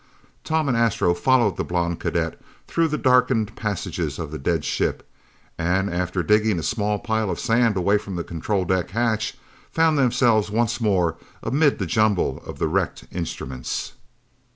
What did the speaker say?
Tom and Astro followed the blond cadet through the darkened passages of the dead ship, and after digging a small pile of sand away from the control deck hatch, found themselves once more amid the jumble of the wrecked instruments.